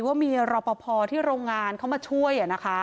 ว่ามีรอปภที่โรงงานเข้ามาช่วย